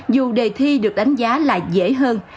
dù đề thi được đánh giá là dễ hơn